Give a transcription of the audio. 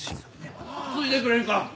ついでくれんか！